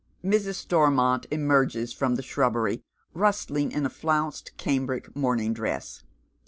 Mrs. Stormont emerges from the shrubbery, rustling in a flounced cambric morning dress.